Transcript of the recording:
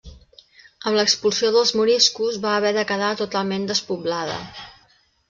Amb l'expulsió dels moriscos va haver de quedar totalment despoblada.